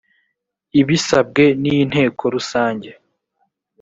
ibisabwe n inteko rusange